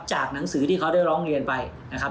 จากหนังสือที่เขาได้ร้องเรียนไปนะครับ